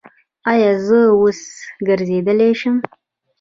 ایا زه اوس ګرځیدلی شم؟